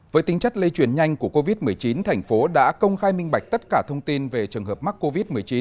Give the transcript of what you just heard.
với tính chất lây chuyển nhanh của covid một mươi chín thành phố đã công khai minh bạch tất cả thông tin về trường hợp mắc covid một mươi chín